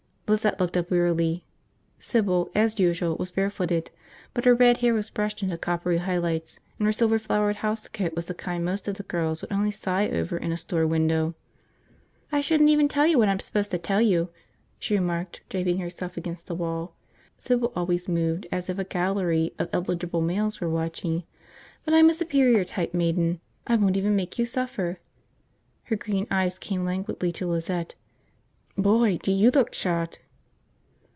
Lizette looked up wearily. Sybil, as usual, was barefooted. But her red hair was brushed into coppery highlights and her silver flowered housecoat was the kind most of the girls would only sigh over in a store window. "I shouldn't even tell you what I'm supposed to tell you," she remarked, draping herself against the wall. Sybil always moved as if a gallery of eligible males were watching. "But I'm a superior type maiden. I won't even make you suffer." Her green eyes came languidly to Lizette. "Boy, do you look shot!"